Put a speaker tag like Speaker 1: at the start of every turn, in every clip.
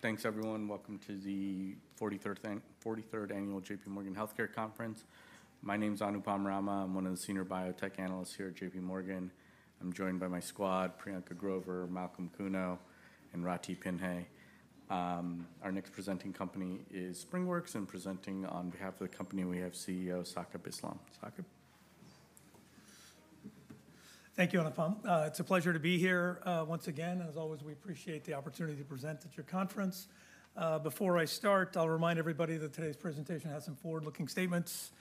Speaker 1: Thanks, everyone. Welcome to the 43rd Annual JPMorgan Healthcare Conference. My name is Anupam Rama. I'm one of the Senior Biotech Analysts here at JPMorgan. I'm joined by my squad: Priyanka Grover, Malcolm Kuno, and Rathi Pinghe. Our next presenting company is SpringWorks, and presenting on behalf of the company we have CEO Saqib Islam. Saqib.
Speaker 2: Thank you, Anupam. It's a pleasure to be here once again, and as always, we appreciate the opportunity to present at your conference. Before I start, I'll remind everybody that today's presentation has some forward-looking statements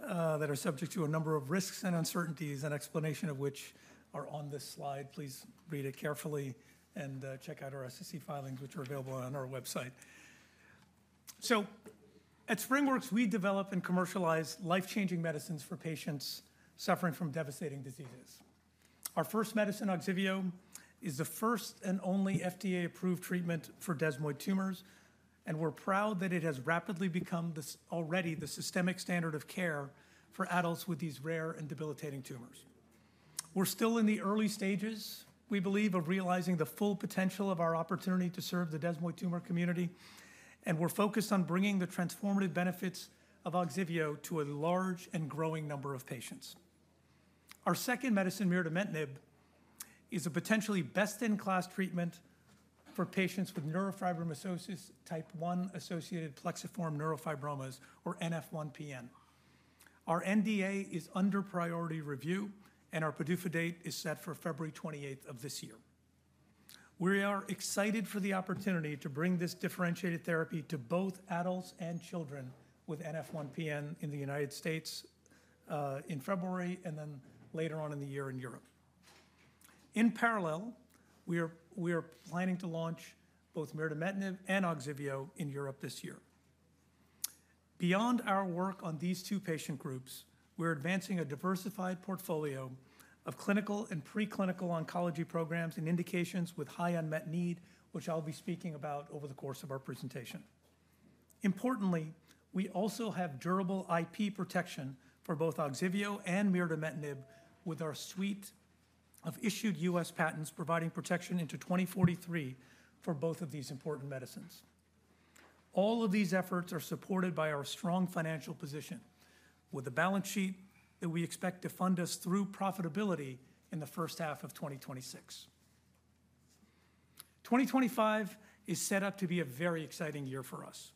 Speaker 2: that are subject to a number of risks and uncertainties, an explanation of which are on this slide. Please read it carefully and check out our SEC filings, which are available on our website. So, at SpringWorks, we develop and commercialize life-changing medicines for patients suffering from devastating diseases. Our first medicine, OGSIVEO, is the first and only FDA-approved treatment for desmoid tumors, and we're proud that it has rapidly become already the systemic standard of care for adults with these rare and debilitating tumors. We're still in the early stages, we believe, of realizing the full potential of our opportunity to serve the desmoid tumor community, and we're focused on bringing the transformative benefits of OGSIVEO to a large and growing number of patients. Our second medicine, mirdametinib, is a potentially best-in-class treatment for patients with neurofibromatosis type 1 associated plexiform neurofibromas, or NF1-PN. Our NDA is under priority review, and our PDUFA date is set for February 28th of this year. We are excited for the opportunity to bring this differentiated therapy to both adults and children with NF1-PN in the United States in February and then later on in the year in Europe. In parallel, we are planning to launch both mirdametinib and OGSIVEO in Europe this year. Beyond our work on these two patient groups, we're advancing a diversified portfolio of clinical and preclinical oncology programs and indications with high unmet need, which I'll be speaking about over the course of our presentation. Importantly, we also have durable IP protection for both OGSIVEO and mirdametinib with our suite of issued U.S. patents providing protection into 2043 for both of these important medicines. All of these efforts are supported by our strong financial position, with a balance sheet that we expect to fund us through profitability in the first half of 2026. 2025 is set up to be a very exciting year for us.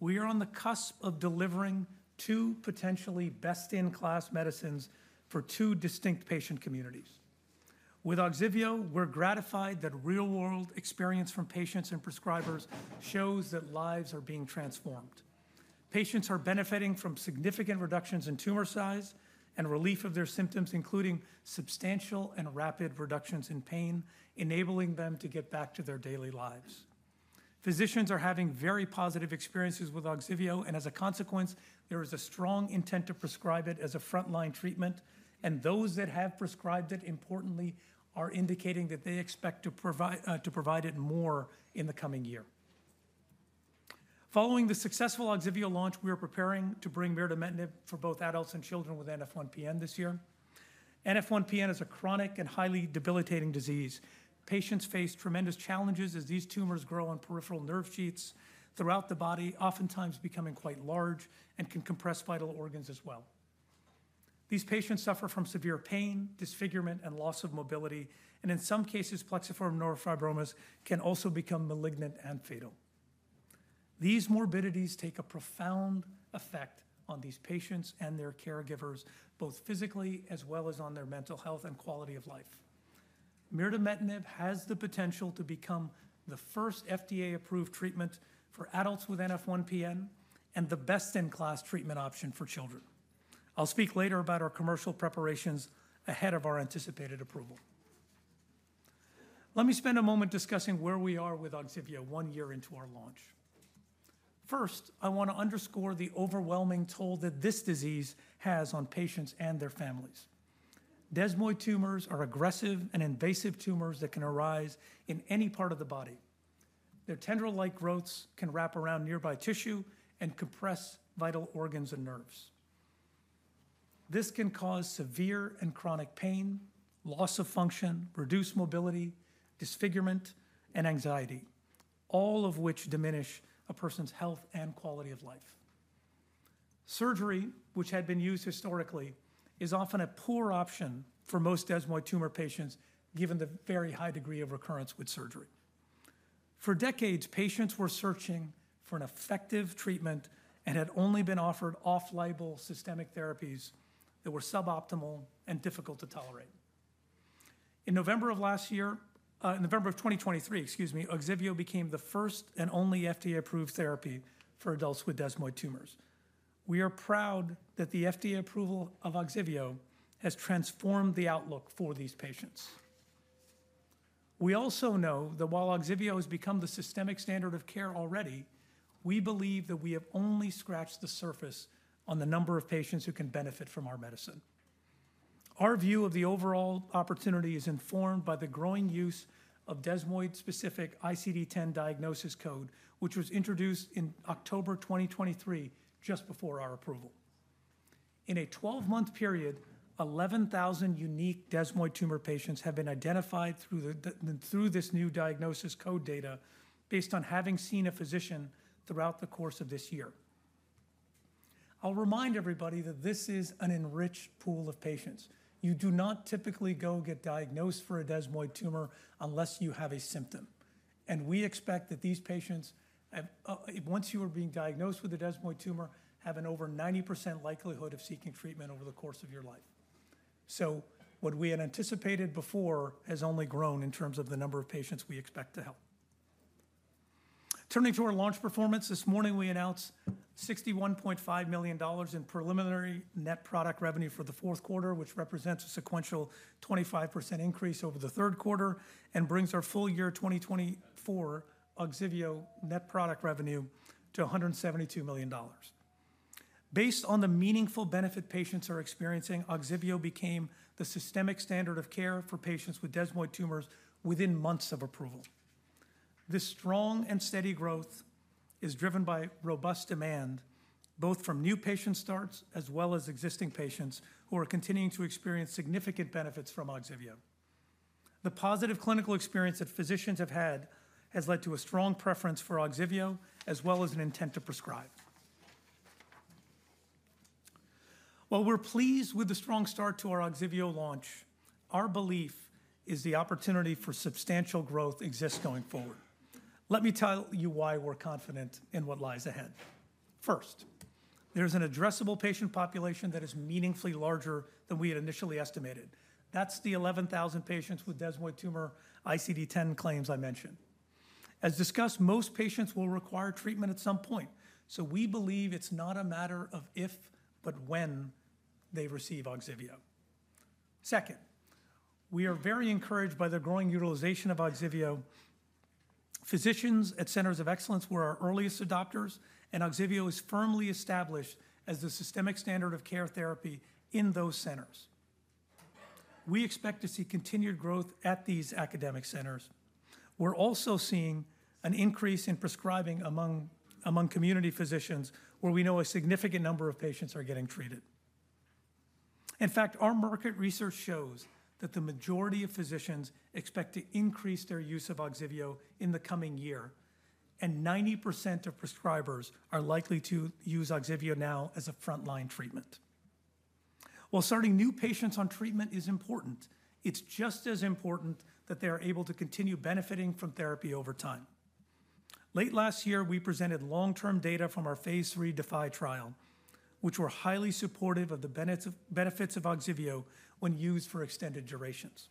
Speaker 2: We are on the cusp of delivering two potentially best-in-class medicines for two distinct patient communities. With OGSIVEO, we're gratified that real-world experience from patients and prescribers shows that lives are being transformed. Patients are benefiting from significant reductions in tumor size and relief of their symptoms, including substantial and rapid reductions in pain, enabling them to get back to their daily lives. Physicians are having very positive experiences with OGSIVEO, and as a consequence, there is a strong intent to prescribe it as a frontline treatment, and those that have prescribed it, importantly, are indicating that they expect to provide it more in the coming year. Following the successful OGSIVEO launch, we are preparing to bring mirdametinib for both adults and children with NF1-PN this year. NF1-PN is a chronic and highly debilitating disease. Patients face tremendous challenges as these tumors grow on peripheral nerve sheaths throughout the body, oftentimes becoming quite large and can compress vital organs as well. These patients suffer from severe pain, disfigurement, and loss of mobility, and in some cases, plexiform neurofibromas can also become malignant and fatal. These morbidities take a profound effect on these patients and their caregivers, both physically as well as on their mental health and quality of life. Mirdametinib has the potential to become the first FDA-approved treatment for adults with NF1-PN and the best-in-class treatment option for children. I'll speak later about our commercial preparations ahead of our anticipated approval. Let me spend a moment discussing where we are with OGSIVEO one year into our launch. First, I want to underscore the overwhelming toll that this disease has on patients and their families. Desmoid tumors are aggressive and invasive tumors that can arise in any part of the body. Their tendril-like growths can wrap around nearby tissue and compress vital organs and nerves. This can cause severe and chronic pain, loss of function, reduced mobility, disfigurement, and anxiety, all of which diminish a person's health and quality of life. Surgery, which had been used historically, is often a poor option for most desmoid tumor patients, given the very high degree of recurrence with surgery. For decades, patients were searching for an effective treatment and had only been offered off-label systemic therapies that were suboptimal and difficult to tolerate. In November of last year, in November of 2023, excuse me, OGSIVEO became the first and only FDA-approved therapy for adults with desmoid tumors. We are proud that the FDA approval of OGSIVEO has transformed the outlook for these patients. We also know that while OGSIVEO has become the systemic standard of care already, we believe that we have only scratched the surface on the number of patients who can benefit from our medicine. Our view of the overall opportunity is informed by the growing use of desmoid-specific ICD-10 diagnosis code, which was introduced in October 2023, just before our approval. In a 12-month period, 11,000 unique desmoid tumor patients have been identified through this new diagnosis code data based on having seen a physician throughout the course of this year. I'll remind everybody that this is an enriched pool of patients. You do not typically go get diagnosed for a desmoid tumor unless you have a symptom, and we expect that these patients, once you are being diagnosed with a desmoid tumor, have an over 90% likelihood of seeking treatment over the course of your life. So what we had anticipated before has only grown in terms of the number of patients we expect to help. Turning to our launch performance, this morning we announced $61.5 million in preliminary net product revenue for the fourth quarter, which represents a sequential 25% increase over the third quarter and brings our full year 2024 OGSIVEO net product revenue to $172 million. Based on the meaningful benefit patients are experiencing, OGSIVEO became the systemic standard of care for patients with desmoid tumors within months of approval. This strong and steady growth is driven by robust demand, both from new patient starts as well as existing patients who are continuing to experience significant benefits from OGSIVEO. The positive clinical experience that physicians have had has led to a strong preference for OGSIVEO as well as an intent to prescribe. While we're pleased with the strong start to our OGSIVEO launch, our belief is the opportunity for substantial growth exists going forward. Let me tell you why we're confident in what lies ahead. First, there is an addressable patient population that is meaningfully larger than we had initially estimated. That's the 11,000 patients with desmoid tumor ICD-10 claims I mentioned. As discussed, most patients will require treatment at some point, so we believe it's not a matter of if, but when they receive OGSIVEO. Second, we are very encouraged by the growing utilization of OGSIVEO. Physicians at Centers of Excellence were our earliest adopters, and OGSIVEO is firmly established as the systemic standard of care therapy in those centers. We expect to see continued growth at these academic centers. We're also seeing an increase in prescribing among community physicians, where we know a significant number of patients are getting treated. In fact, our market research shows that the majority of physicians expect to increase their use of OGSIVEO in the coming year, and 90% of prescribers are likely to use OGSIVEO now as a frontline treatment. While starting new patients on treatment is important, it's just as important that they are able to continue benefiting from therapy over time. Late last year, we presented long-term data from our phase III DeFi trial, which were highly supportive of the benefits of OGSIVEO when used for extended durations.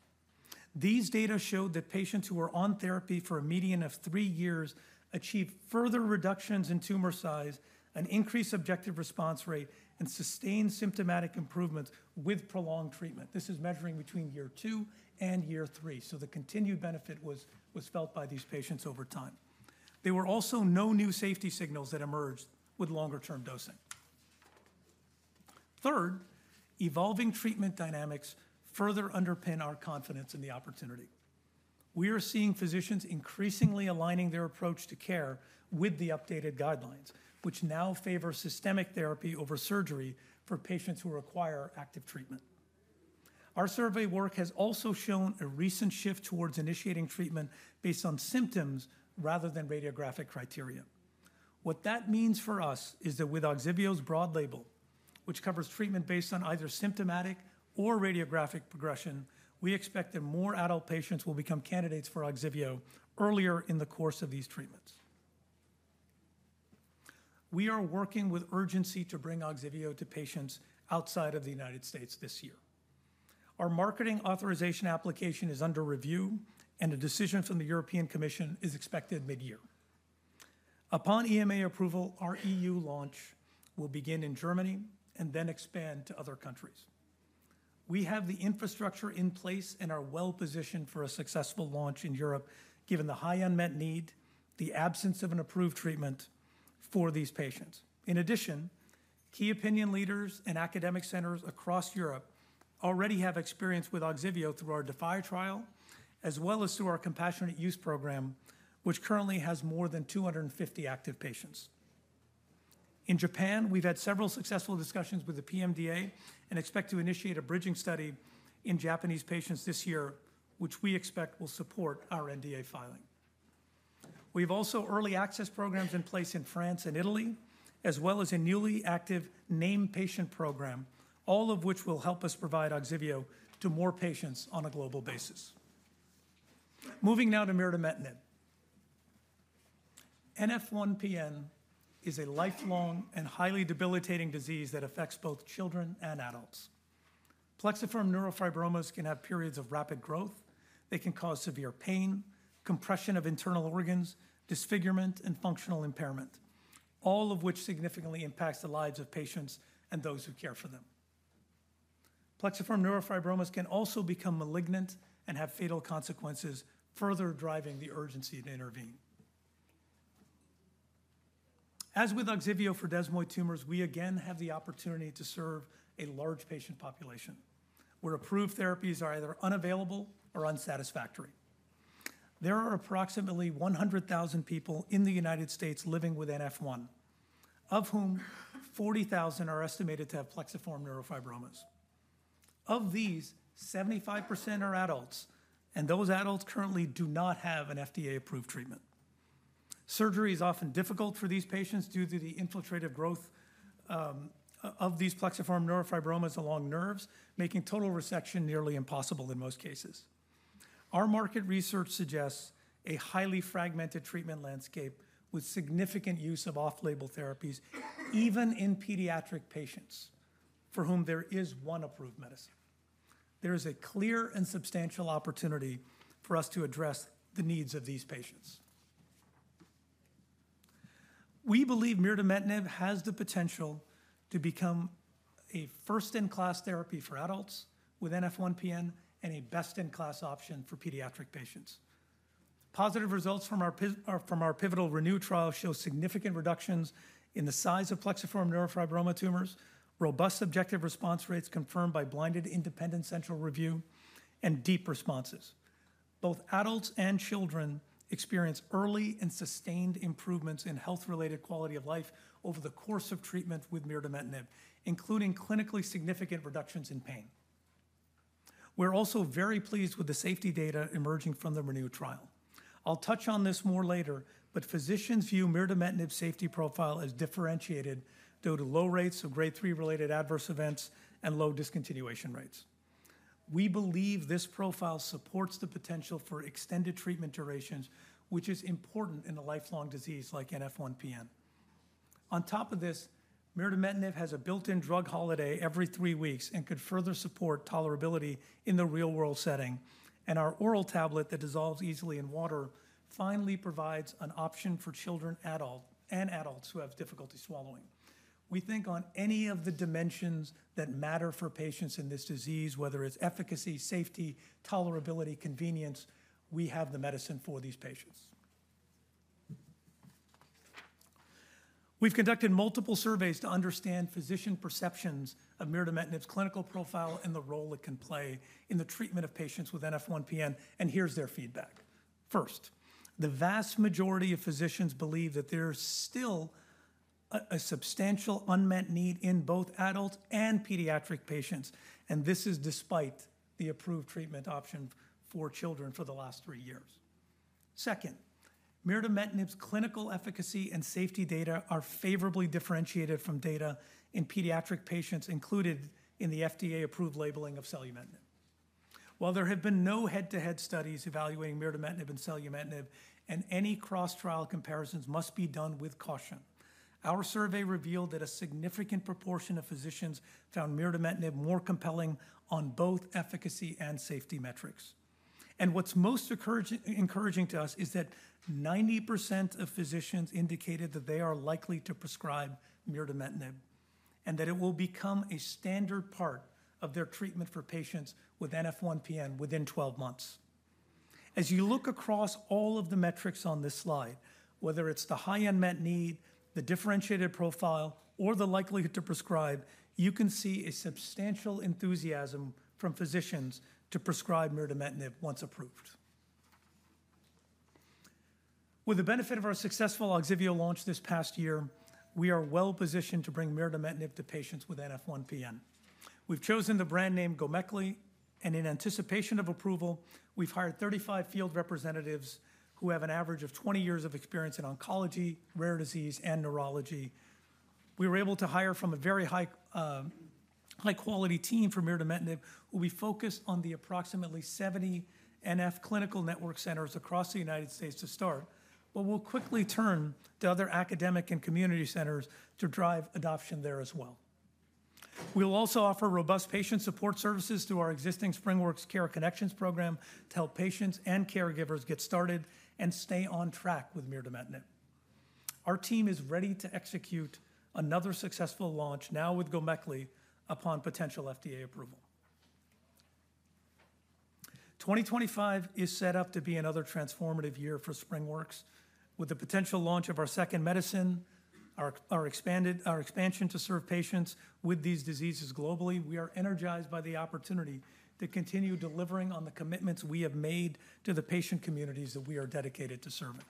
Speaker 2: These data showed that patients who were on therapy for a median of three years achieved further reductions in tumor size, an increased objective response rate, and sustained symptomatic improvements with prolonged treatment. This is measuring between year two and year three, so the continued benefit was felt by these patients over time. There were also no new safety signals that emerged with longer-term dosing. Third, evolving treatment dynamics further underpin our confidence in the opportunity. We are seeing physicians increasingly aligning their approach to care with the updated guidelines, which now favor systemic therapy over surgery for patients who require active treatment. Our survey work has also shown a recent shift towards initiating treatment based on symptoms rather than radiographic criteria. What that means for us is that with OGSIVEO's broad label, which covers treatment based on either symptomatic or radiographic progression, we expect that more adult patients will become candidates for OGSIVEO earlier in the course of these treatments. We are working with urgency to bring OGSIVEO to patients outside of the United States this year. Our marketing authorization application is under review, and a decision from the European Commission is expected mid-year. Upon EMA approval, our EU launch will begin in Germany and then expand to other countries. We have the infrastructure in place and are well-positioned for a successful launch in Europe, given the high unmet need, the absence of an approved treatment for these patients. In addition, key opinion leaders and academic centers across Europe already have experience with OGSIVEO through our DeFi trial, as well as through our compassionate use program, which currently has more than 250 active patients. In Japan, we've had several successful discussions with the PMDA and expect to initiate a bridging study in Japanese patients this year, which we expect will support our NDA filing. We have also early access programs in place in France and Italy, as well as a newly active named patient program, all of which will help us provide OGSIVEO to more patients on a global basis. Moving now to mirdametinib. NF1-PN is a lifelong and highly debilitating disease that affects both children and adults. Plexiform neurofibromas can have periods of rapid growth. They can cause severe pain, compression of internal organs, disfigurement, and functional impairment, all of which significantly impacts the lives of patients and those who care for them. Plexiform neurofibromas can also become malignant and have fatal consequences, further driving the urgency to intervene. As with OGSIVEO for desmoid tumors, we again have the opportunity to serve a large patient population where approved therapies are either unavailable or unsatisfactory. There are approximately 100,000 people in the United States living with NF1, of whom 40,000 are estimated to have plexiform neurofibromas. Of these, 75% are adults, and those adults currently do not have an FDA-approved treatment. Surgery is often difficult for these patients due to the infiltrative growth of these plexiform neurofibromas along nerves, making total resection nearly impossible in most cases. Our market research suggests a highly fragmented treatment landscape with significant use of off-label therapies, even in pediatric patients for whom there is one approved medicine. There is a clear and substantial opportunity for us to address the needs of these patients. We believe mirdametinib has the potential to become a first-in-class therapy for adults with NF1-PN and a best-in-class option for pediatric patients. Positive results from our pivotal ReNeu trial show significant reductions in the size of plexiform neurofibroma tumors, robust objective response rates confirmed by blinded independent central review, and deep responses. Both adults and children experience early and sustained improvements in health-related quality of life over the course of treatment with mirdametinib, including clinically significant reductions in pain. We're also very pleased with the safety data emerging from the ReNeu trial. I'll touch on this more later, but physicians view mirdametinib's safety profile as differentiated due to low rates of Grade 3-related adverse events and low discontinuation rates. We believe this profile supports the potential for extended treatment durations, which is important in a lifelong disease like NF1-PN. On top of this, mirdametinib has a built-in drug holiday every three weeks and could further support tolerability in the real-world setting, and our oral tablet that dissolves easily in water finally provides an option for children and adults who have difficulty swallowing. We think on any of the dimensions that matter for patients in this disease, whether it's efficacy, safety, tolerability, convenience, we have the medicine for these patients. We've conducted multiple surveys to understand physician perceptions of mirdametinib's clinical profile and the role it can play in the treatment of patients with NF1-PN, and here's their feedback. First, the vast majority of physicians believe that there is still a substantial unmet need in both adult and pediatric patients, and this is despite the approved treatment option for children for the last three years. Second, mirdametinib's clinical efficacy and safety data are favorably differentiated from data in pediatric patients included in the FDA-approved labeling of selumetinib. While there have been no head-to-head studies evaluating mirdametinib and selumetinib, and any cross-trial comparisons must be done with caution, our survey revealed that a significant proportion of physicians found mirdametinib more compelling on both efficacy and safety metrics. What's most encouraging to us is that 90% of physicians indicated that they are likely to prescribe mirdametinib and that it will become a standard part of their treatment for patients with NF1-PN within 12 months. As you look across all of the metrics on this slide, whether it's the high unmet need, the differentiated profile, or the likelihood to prescribe, you can see a substantial enthusiasm from physicians to prescribe mirdametinib once approved. With the benefit of our successful OGSIVEO launch this past year, we are well-positioned to bring mirdametinib to patients with NF1-PN. We've chosen the brand name GOMEKLI, and in anticipation of approval, we've hired 35 field representatives who have an average of 20 years of experience in oncology, rare disease, and neurology. We were able to hire from a very high-quality team for mirdametinib, which we focused on the approximately 70 NF clinical network centers across the United States to start, but we'll quickly turn to other academic and community centers to drive adoption there as well. We'll also offer robust patient support services through our existing SpringWorks CareConnections program to help patients and caregivers get started and stay on track with mirdametinib. Our team is ready to execute another successful launch, now with mirdametinib, upon potential FDA approval. 2025 is set up to be another transformative year for SpringWorks. With the potential launch of our second medicine, our expansion to serve patients with these diseases globally, we are energized by the opportunity to continue delivering on the commitments we have made to the patient communities that we are dedicated to serving.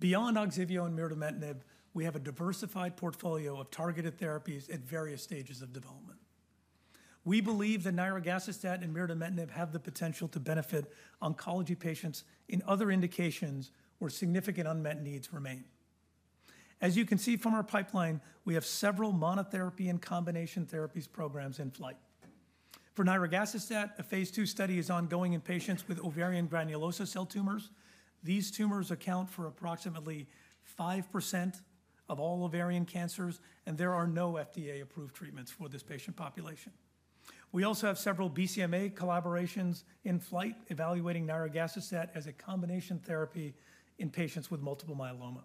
Speaker 2: Beyond OGSIVEO and mirdametinib, we have a diversified portfolio of targeted therapies at various stages of development. We believe that nirogacestat and mirdametinib have the potential to benefit oncology patients in other indications where significant unmet needs remain. As you can see from our pipeline, we have several monotherapy and combination therapies programs in flight. For nirogacestat, a phase II study is ongoing in patients with ovarian granulosa cell tumors. These tumors account for approximately 5% of all ovarian cancers, and there are no FDA-approved treatments for this patient population. We also have several BCMA collaborations in flight evaluating nirogacestat as a combination therapy in patients with multiple myeloma.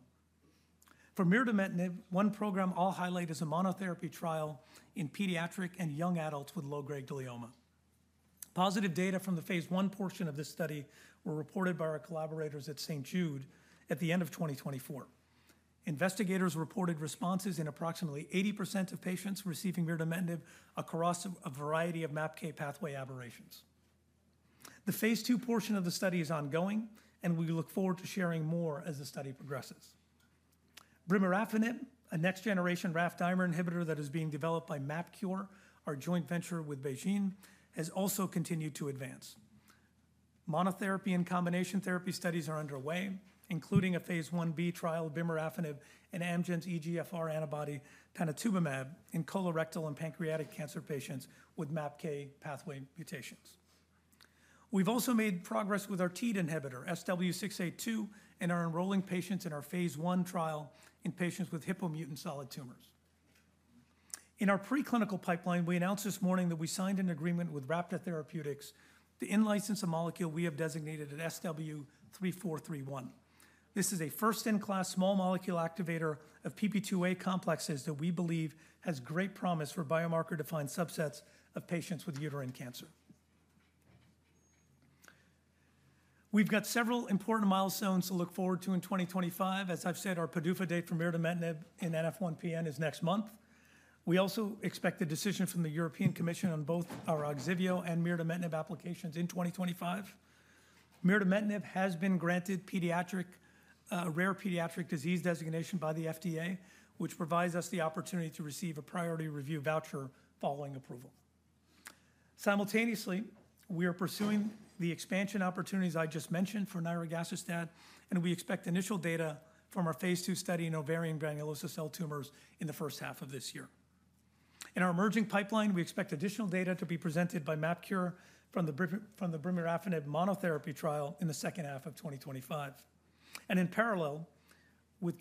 Speaker 2: For mirdametinib, one program I'll highlight is a monotherapy trial in pediatric and young adults with low-grade glioma. Positive data from the phase I portion of this study were reported by our collaborators at St. Jude at the end of 2024. Investigators reported responses in approximately 80% of patients receiving mirdametinib across a variety of MAPK pathway aberrations. The phase II portion of the study is ongoing, and we look forward to sharing more as the study progresses. Brimarafenib, a next-generation RAF dimer inhibitor that is being developed by MapKure, our joint venture with BeiGene, has also continued to advance. Monotherapy and combination therapy studies are underway, including a phase I-B trial, brimarafenib, Amgen's EGFR antibody, panitumumab, in colorectal and pancreatic cancer patients with MAPK pathway mutations. We've also made progress with our TEAD inhibitor, SW-682, and are enrolling patients in our phase I trial in patients with Hippo-mutant solid tumors. In our preclinical pipeline, we announced this morning that we signed an agreement with Rappta Therapeutics to in-license a molecule we have designated as SW-3431. This is a first-in-class small molecule activator of PP2A complexes that we believe has great promise for biomarker-defined subsets of patients with uterine cancer. We've got several important milestones to look forward to in 2025. As I've said, our PDUFA date for mirdametinib in NF1-PN is next month. We also expect a decision from the European Commission on both our OGSIVEO and mirdametinib applications in 2025. Mirdametinib has been granted rare pediatric disease designation by the FDA, which provides us the opportunity to receive a priority review voucher following approval. Simultaneously, we are pursuing the expansion opportunities I just mentioned for nirogacestat, and we expect initial data from our phase II study in ovarian granulosa cell tumors in the first half of this year. In our emerging pipeline, we expect additional data to be presented by MapKure from the brimarafenib monotherapy trial in the second half of 2025. And in parallel, with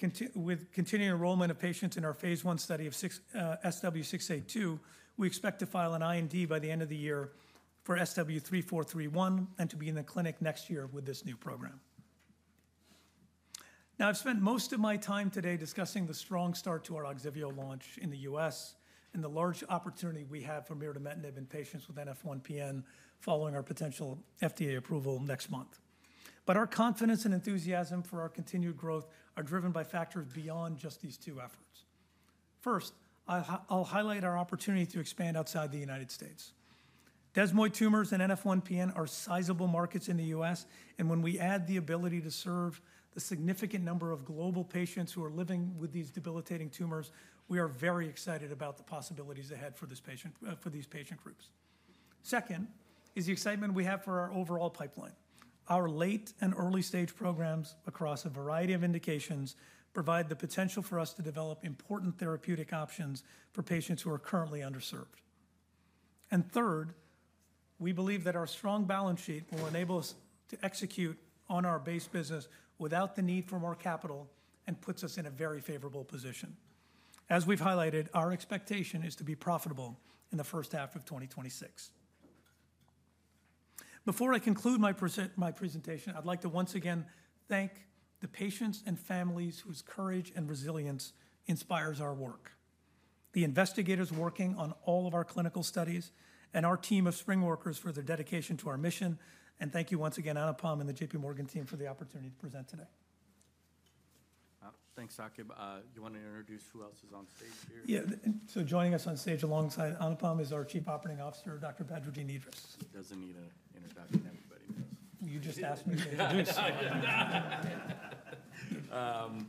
Speaker 2: continuing enrollment of patients in our phase I study of SW-682, we expect to file an IND by the end of the year for SW-3431 and to be in the clinic next year with this new program. Now, I've spent most of my time today discussing the strong start to our OGSIVEO launch in the U.S. and the large opportunity we have for mirdametinib in patients with NF1-PN following our potential FDA approval next month. But our confidence and enthusiasm for our continued growth are driven by factors beyond just these two efforts. First, I'll highlight our opportunity to expand outside the United States. Desmoid tumors and NF1-PN are sizable markets in the U.S., and when we add the ability to serve the significant number of global patients who are living with these debilitating tumors, we are very excited about the possibilities ahead for these patient groups. Second is the excitement we have for our overall pipeline. Our late and early stage programs across a variety of indications provide the potential for us to develop important therapeutic options for patients who are currently underserved. And third, we believe that our strong balance sheet will enable us to execute on our base business without the need for more capital and puts us in a very favorable position. As we've highlighted, our expectation is to be profitable in the first half of 2026. Before I conclude my presentation, I'd like to once again thank the patients and families whose courage and resilience inspires our work, the investigators working on all of our clinical studies, and our team of SpringWorks for their dedication to our mission, and thank you once again, Anupam and the JPMorgan team for the opportunity to present today.
Speaker 1: Thanks, Saqib. You want to introduce who else is on stage here?
Speaker 2: Yeah. So joining us on stage alongside Anupam is our Chief Operating Officer, Dr. Badreddin Edris.
Speaker 1: He doesn't need an introduction. Everybody knows.
Speaker 2: You just asked me to introduce.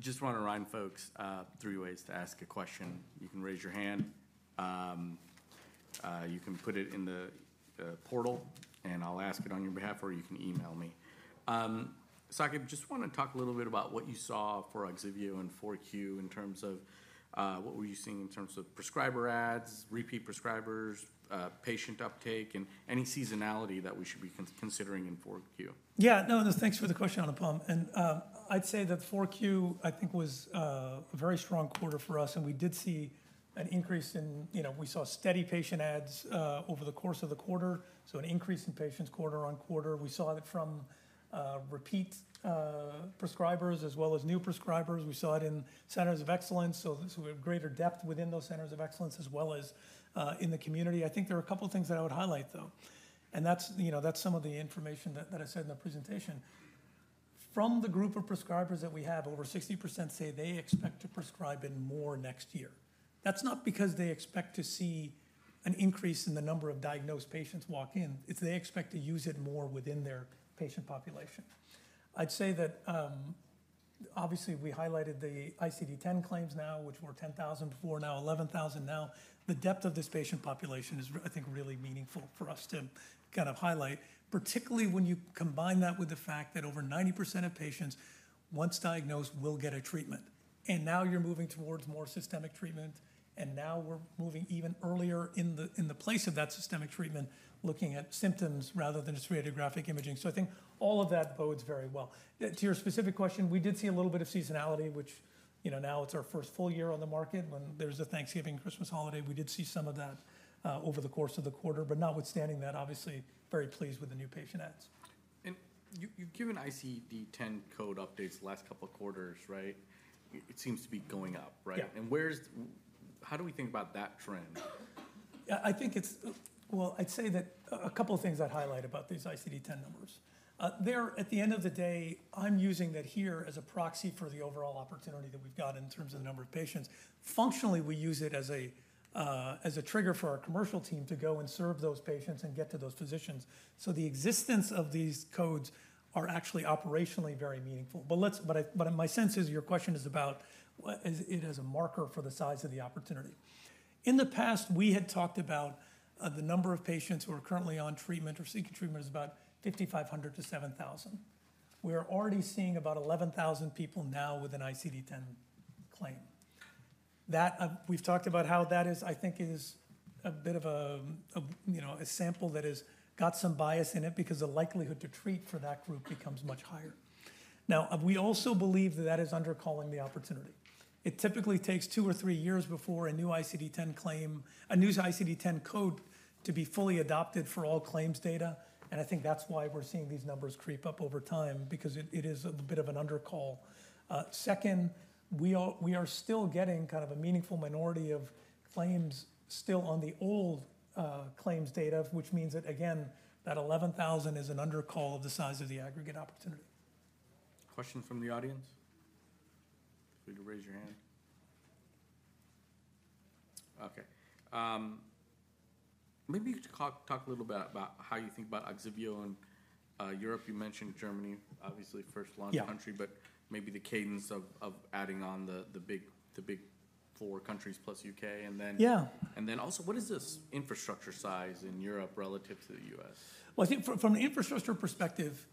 Speaker 1: Just want to remind folks three ways to ask a question. You can raise your hand. You can put it in the portal, and I'll ask it on your behalf, or you can email me. So, Saqib, just want to talk a little bit about what you saw for OGSIVEO and 4Q in terms of what were you seeing in terms of prescriber adds, repeat prescribers, patient uptake, and any seasonality that we should be considering in 4Q?
Speaker 2: Yeah. No, thanks for the question, Anupam. And I'd say that 4Q, I think, was a very strong quarter for us, and we did see an increase in, you know, we saw steady patient adds over the course of the quarter, so an increase in patients quarter on quarter. We saw it from repeat prescribers as well as new prescribers. We saw it in centers of excellence, so we have greater depth within those centers of excellence as well as in the community. I think there are a couple of things that I would highlight, though, and that's some of the information that I said in the presentation. From the group of prescribers that we have, over 60% say they expect to prescribe it more next year. That's not because they expect to see an increase in the number of diagnosed patients walk in. It's they expect to use it more within their patient population. I'd say that, obviously, we highlighted the ICD-10 claims now, which were 10,000 before, now 11,000. The depth of this patient population is, I think, really meaningful for us to kind of highlight, particularly when you combine that with the fact that over 90% of patients, once diagnosed, will get a treatment. Now you're moving towards more systemic treatment, and now we're moving even earlier in the place of that systemic treatment, looking at symptoms rather than just radiographic imaging. I think all of that bodes very well. To your specific question, we did see a little bit of seasonality, which, you know, now it's our first full year on the market when there's a Thanksgiving Christmas holiday. We did see some of that over the course of the quarter, but notwithstanding that, obviously, very pleased with the new patient adds.
Speaker 1: You've given ICD-10 code updates the last couple of quarters, right? It seems to be going up, right? How do we think about that trend?
Speaker 2: Yeah, I think it's, well, I'd say that a couple of things I'd highlight about these ICD-10 numbers. There, at the end of the day, I'm using that here as a proxy for the overall opportunity that we've got in terms of the number of patients. Functionally, we use it as a trigger for our commercial team to go and serve those patients and get to those physicians. So the existence of these codes are actually operationally very meaningful. But my sense is your question is about it as a marker for the size of the opportunity. In the past, we had talked about the number of patients who are currently on treatment or seeking treatment is about 5,500-7,000. We are already seeing about 11,000 people now with an ICD-10 claim. We've talked about how that is, I think, is a bit of a, you know, a sample that has got some bias in it because the likelihood to treat for that group becomes much higher. Now, we also believe that that is undercalling the opportunity. It typically takes two or three years before a new ICD-10 claim, a new ICD-10 code to be fully adopted for all claims data, and I think that's why we're seeing these numbers creep up over time because it is a bit of an undercall. Second, we are still getting kind of a meaningful minority of claims still on the old claims data, which means that, again, that 11,000 is an undercall of the size of the aggregate opportunity.
Speaker 1: Question from the audience? If you could raise your hand. Okay. Maybe you could talk a little bit about how you think about OGSIVEO and Europe. You mentioned Germany, obviously, first launch country, but maybe the cadence of adding on the big four countries plus the U.K. And then also, what is this infrastructure size in Europe relative to the U.S.?
Speaker 2: I think from an infrastructure perspective,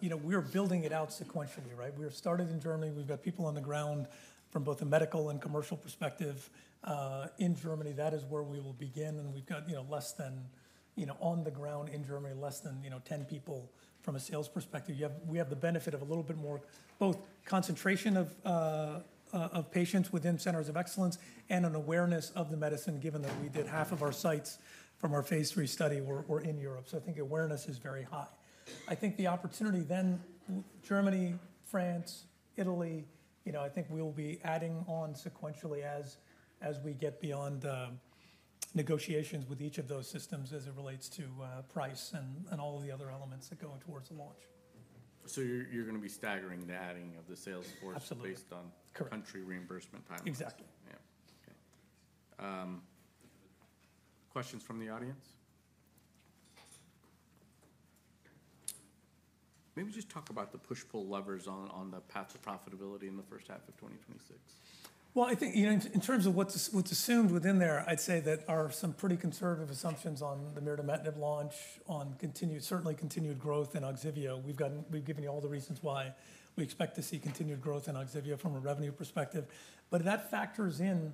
Speaker 2: you know, we are building it out sequentially, right? We have started in Germany. We've got people on the ground from both a medical and commercial perspective. In Germany, that is where we will begin, and we've got, you know, less than, you know, 10 people. From a sales perspective, we have the benefit of a little bit more both concentration of patients within centers of excellence and an awareness of the medicine, given that half of our sites from our phase III study were in Europe. So I think awareness is very high. I think the opportunity then, Germany, France, Italy, you know, I think we'll be adding on sequentially as we get beyond negotiations with each of those systems as it relates to price and all of the other elements that go towards the launch.
Speaker 1: So you're going to be staggering the adding of the sales force based on country reimbursement timelines?
Speaker 2: Exactly.
Speaker 1: Yeah. Okay. Questions from the audience? Maybe just talk about the push-pull levers on the path to profitability in the first half of 2026.
Speaker 2: Well, I think, you know, in terms of what's assumed within there, I'd say that are some pretty conservative assumptions on the mirdametinib launch on continued, certainly continued growth in OGSIVEO. We've given you all the reasons why we expect to see continued growth in OGSIVEO from a revenue perspective, but that factors in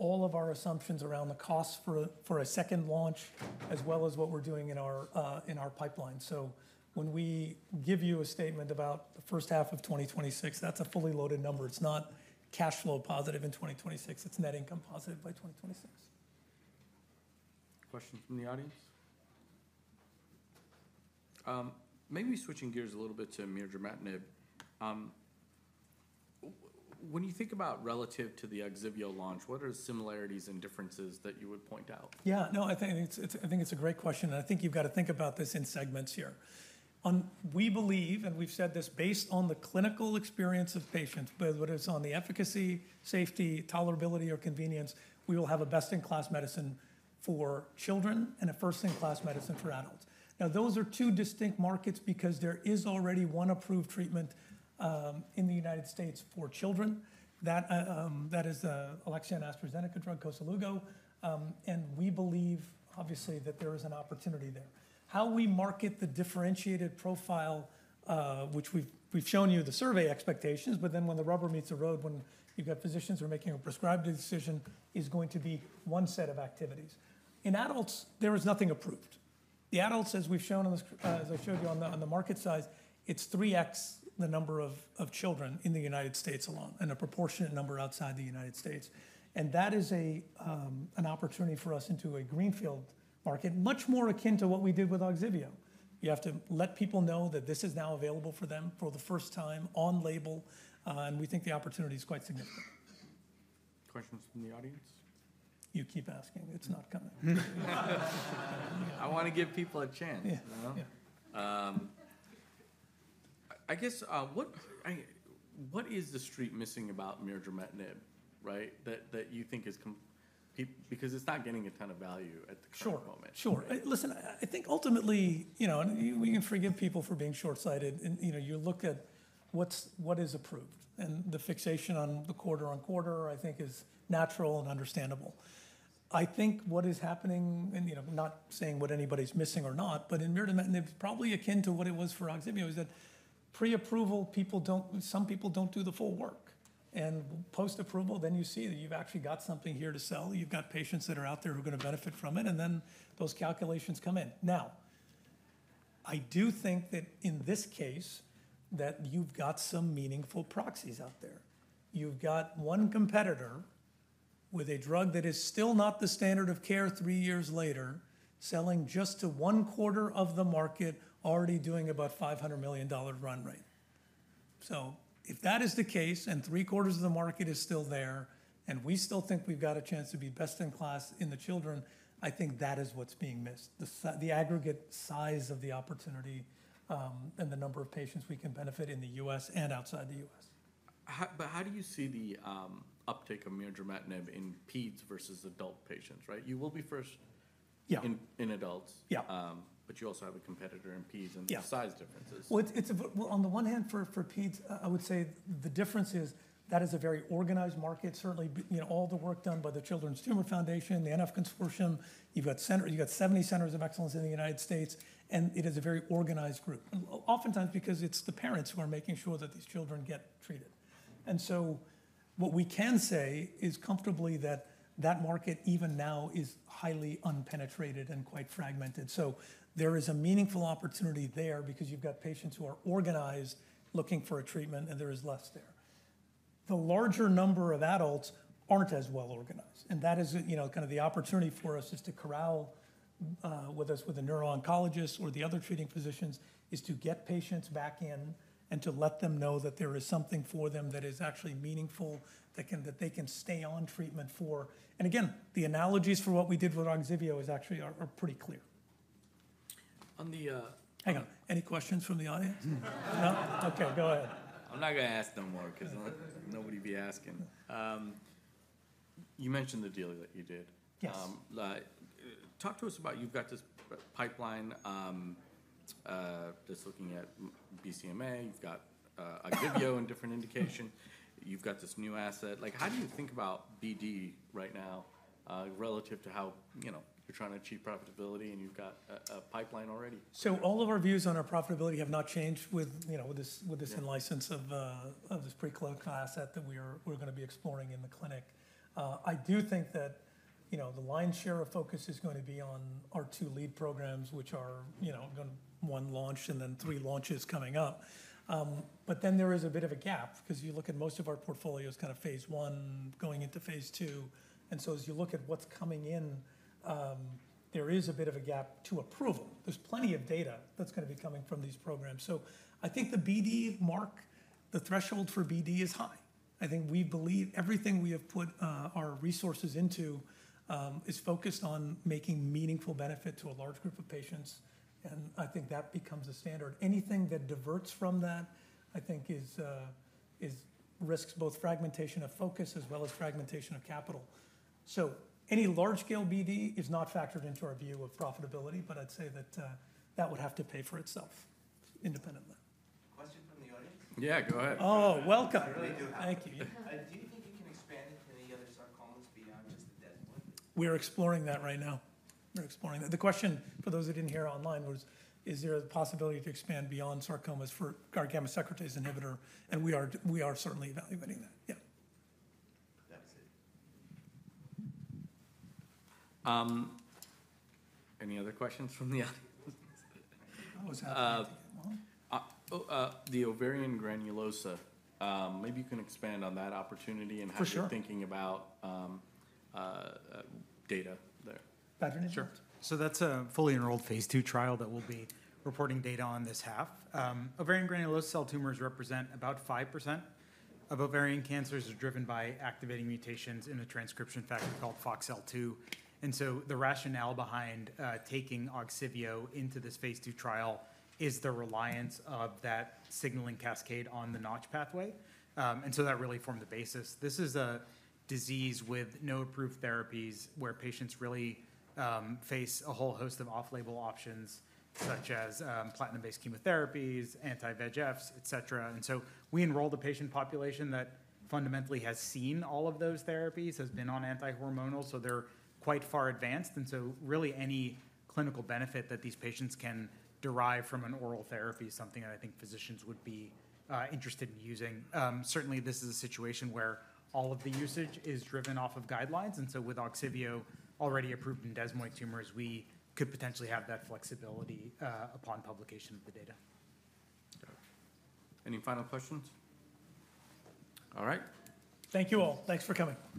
Speaker 2: all of our assumptions around the cost for a second launch as well as what we're doing in our pipeline. So when we give you a statement about the first half of 2026, that's a fully loaded number. It's not cash flow positive in 2026. It's net income positive by 2026.
Speaker 1: Questions from the audience? Maybe switching gears a little bit to mirdametinib. When you think about relative to the OGSIVEO launch, what are the similarities and differences that you would point out?
Speaker 2: Yeah, no, I think it's a great question, and I think you've got to think about this in segments here. We believe, and we've said this based on the clinical experience of patients, but whether it's on the efficacy, safety, tolerability, or convenience, we will have a best-in-class medicine for children and a first-in-class medicine for adults. Now, those are two distinct markets because there is already one approved treatment in the United States for children. That is Alexion and AstraZeneca's Koselugo, and we believe, obviously, that there is an opportunity there. How we market the differentiated profile, which we've shown you the survey expectations, but then when the rubber meets the road, when you've got physicians who are making a prescribed decision, is going to be one set of activities. In adults, there is nothing approved. The adults, as we've shown, as I showed you on the market size, it's 3x the number of children in the United States alone and a proportionate number outside the United States. And that is an opportunity for us into a greenfield market, much more akin to what we did with OGSIVEO. You have to let people know that this is now available for them for the first time on label, and we think the opportunity is quite significant.
Speaker 1: Questions from the audience?
Speaker 2: You keep asking. It's not coming.
Speaker 1: I want to give people a chance. I guess, what is the street missing about mirdametinib, right, that you think is because it's not getting a ton of value at the current moment?
Speaker 2: Sure. Sure. Listen, I think ultimately, you know, and we can forgive people for being shortsighted, and you know, you look at what is approved, and the fixation on the quarter on quarter, I think, is natural and understandable. I think what is happening, and you know, not saying what anybody's missing or not, but in mirdametinib, probably akin to what it was for OGSIVEO, is that pre-approval, people don't, some people don't do the full work, and post-approval, then you see that you've actually got something here to sell. You've got patients that are out there who are going to benefit from it, and then those calculations come in. Now, I do think that in this case, that you've got some meaningful proxies out there. You've got one competitor with a drug that is still not the standard of care three years later, selling just to one quarter of the market, already doing about $500 million run rate. So if that is the case and three quarters of the market is still there and we still think we've got a chance to be best in class in the children, I think that is what's being missed, the aggregate size of the opportunity and the number of patients we can benefit in the U.S. and outside the U.S.
Speaker 1: But how do you see the uptake of mirdametinib in peds versus adult patients, right? You will be first in adults, but you also have a competitor in peds and the size differences.
Speaker 2: Well, on the one hand, for peds, I would say the difference is that it is a very organized market. Certainly, you know, all the work done by the Children's Tumor Foundation, the NF Consortium, you've got 70 centers of excellence in the United States, and it is a very organized group, oftentimes because it's the parents who are making sure that these children get treated, and so what we can say is comfortably that that market even now is highly unpenetrated and quite fragmented, so there is a meaningful opportunity there because you've got patients who are organized looking for a treatment, and there is less there. The larger number of adults aren't as well organized, and that is, you know, kind of the opportunity for us is to corral with us with a neuro-oncologist or the other treating physicians is to get patients back in and to let them know that there is something for them that is actually meaningful that they can stay on treatment for. Again, the analogies for what we did with OGSIVEO is actually pretty clear. Hang on. Any questions from the audience? No? Okay, go ahead.
Speaker 1: I'm not going to ask no more because nobody would be asking. You mentioned the deal that you did.
Speaker 2: Yes.
Speaker 1: Talk to us about you've got this pipeline, just looking at BCMA, you've got OGSIVEO in different indication, you've got this new asset. Like, how do you think about BD right now relative to how, you know, you're trying to achieve profitability and you've got a pipeline already?
Speaker 2: So all of our views on our profitability have not changed with, you know, with this in license of this preclinical asset that we're going to be exploring in the clinic. I do think that, you know, the lion's share of focus is going to be on our two lead programs, which are, you know, going to one launch and then three launches coming up, but then there is a bit of a gap because you look at most of our portfolios, kind of phase I going into phase II, and so as you look at what's coming in, there is a bit of a gap to approval. There's plenty of data that's going to be coming from these programs, so I think the BD mark, the threshold for BD is high. I think we believe everything we have put our resources into is focused on making meaningful benefit to a large group of patients, and I think that becomes a standard. Anything that diverts from that, I think, risks both fragmentation of focus as well as fragmentation of capital. So any large-scale BD is not factored into our view of profitability, but I'd say that that would have to pay for itself independently.
Speaker 1: Yeah, go ahead.
Speaker 2: Oh, welcome. I really do have one.
Speaker 3: Thank you. Do you think you can expand into any other sarcomas beyond just the desmoid?
Speaker 2: We're exploring that right now. We're exploring that. The question for those who didn't hear online was, is there a possibility to expand beyond sarcomas for our gamma secretase inhibitor? And we are certainly evaluating that. Yeah.
Speaker 3: That's it.
Speaker 1: Any other questions from the audience? I was asking to get one. The ovarian granulosa, maybe you can expand on that opportunity and how you're thinking about data there. Sure. So that's a fully enrolled phase II trial that we'll be reporting data on this half. Ovarian granulosa cell tumors represent about 5% of ovarian cancers that are driven by activating mutations in a transcription factor called FOXL2. And so the rationale behind taking OGSIVEO into this phase II trial is the reliance of that signaling cascade on the notch pathway. And so that really formed the basis. This is a disease with no approved therapies where patients really face a whole host of off-label options such as platinum-based chemotherapies, anti-VEGFs, etc. And so we enroll the patient population that fundamentally has seen all of those therapies, has been on anti-hormonal, so they're quite far advanced. And so really any clinical benefit that these patients can derive from an oral therapy is something that I think physicians would be interested in using. Certainly, this is a situation where all of the usage is driven off of guidelines. And so with OGSIVEO already approved in desmoid tumors, we could potentially have that flexibility upon publication of the data. Any final questions? All right.
Speaker 2: Thank you all. Thanks for coming.